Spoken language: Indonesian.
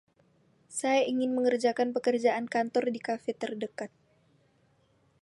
saya ingin mengerjakan pekerjaan kantor di kafe terdekat